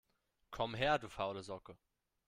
Komm her, du faule Socke!